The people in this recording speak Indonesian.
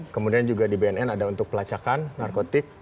kemudian juga di bnn ada untuk pelacakan narkotik